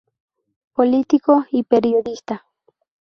Político y periodista.